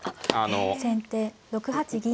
先手６八銀。